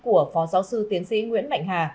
của phó giáo sư tiến sĩ nguyễn mạnh hà